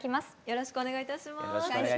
よろしくお願いします。